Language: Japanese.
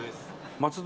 松戸？